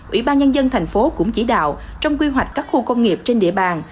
ủy ban nhân dân thành phố cũng chỉ đạo trong quy hoạch các khu công nghiệp trên địa bàn